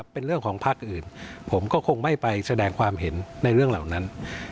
เป็นเรื่องของภาคอื่นผมก็คงไม่ไปแสดงความเห็นในเรื่องเหล่านั้น